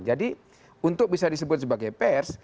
jadi untuk bisa disebut sebagai pers